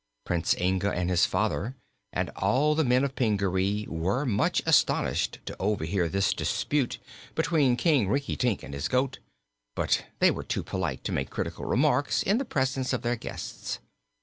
Prince Inga and his father and all the men of Pingaree were much astonished to overhear this dispute between King Rinkitink and his goat; but they were too polite to make critical remarks in the presence of their guests.